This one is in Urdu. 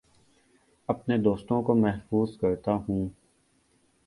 اپنے دوستوں کو محظوظ کرتا ہوں